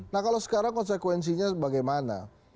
nah kalau sekarang konsekuensinya bagaimana